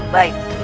baik gusti prabu